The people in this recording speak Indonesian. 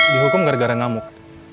dihukum gara gara ngamuk